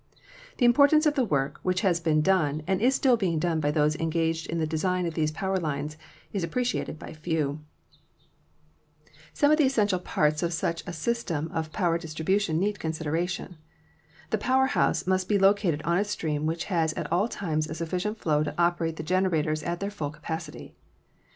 The Importance of the work which has been done and is still being done by those engaged in the design of these power lines is appreciated by few. 212 ELECTRICITY Some of the essential parts of such a system of power distribution need consideration. The power house must be located on a stream which has at all times a sufficient flow to operate the generators at their full capacity.